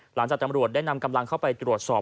หลังจากตำรวจได้นำกำลังเข้าไปตรวจสอบ